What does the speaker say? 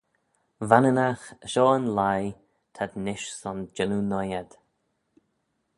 Vanninagh, shoh yn leigh t'ad nish son jannoo noi ayd.